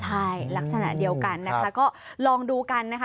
ใช่ลักษณะเดียวกันนะคะก็ลองดูกันนะคะ